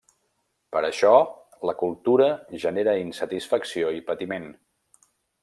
Per això, la cultura genera insatisfacció i patiment.